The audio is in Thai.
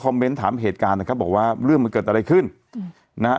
เมนต์ถามเหตุการณ์นะครับบอกว่าเรื่องมันเกิดอะไรขึ้นอืมนะฮะ